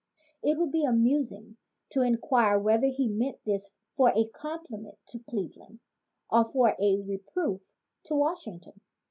It would be amusing to inquire whether he meant this for a compliment to Cleveland or for a re proof to Washington.